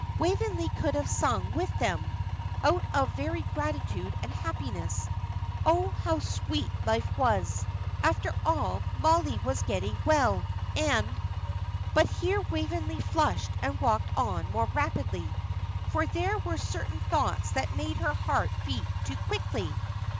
Waveney could have sung with them, out of very gratitude and happiness. Oh, how sweet life was! After all, Mollie was getting well, and But here Waveney flushed and walked on more rapidly; for there were certain thoughts that made her heart beat too quickly.